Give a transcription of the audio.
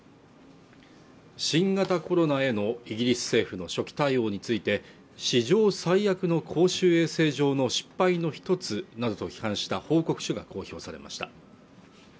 新型コロナへのイギリス政府の初期対応について史上最悪の公衆衛生上の失敗の一つなどと批判した報告書が公表されました